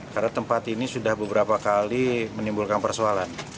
karena tempat ini sudah beberapa kali menimbulkan persoalan